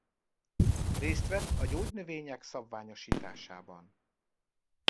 Részt vett a gyógynövények szabványosításában.